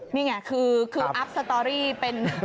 นี่ไงคืออัพสตอรี่เป็น